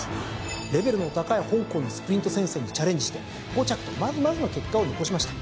レベルの高い香港のスプリント戦線にチャレンジして５着とまずまずの結果を残しました。